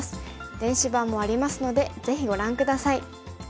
電子版もありますのでぜひご覧下さい。